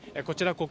こちら